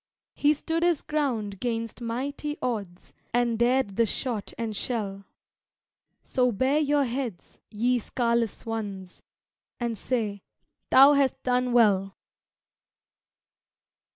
He stood his ground 'gainst mighty odds, And dared the shot and shell; So bare your heads, ye scarless ones, And say, "_Thou hast done well!